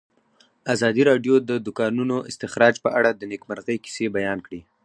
ازادي راډیو د د کانونو استخراج په اړه د نېکمرغۍ کیسې بیان کړې.